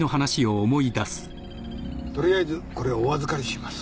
取りあえずこれはお預かりします。